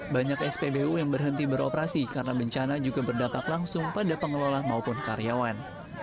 banyak spbu yang berhenti beroperasi karena bencana juga berdampak langsung pada pengelola maupun karyawan